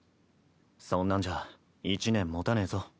そんなんじゃ１年もたねぇぞ。